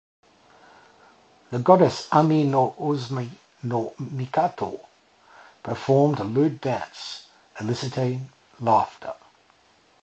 The goddess Ame-no-Uzume-no-Mikoto performed a lewd dance, eliciting laughter.